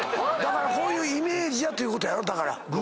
こういうイメージやということやろ。